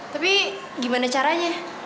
tapi gimana caranya